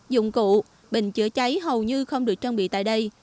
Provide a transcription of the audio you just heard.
dụng cụ bình chữa cháy hầu như không được trang bị tại đây